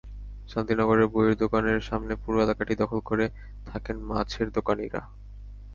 শান্তিনগরের বইয়ের দোকানের সামনের পুরো এলাকাটি দখল করে থাকেন মাছের দোকানিরা।